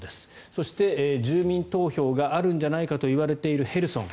そして、住民投票があるんじゃないかといわれているヘルソン。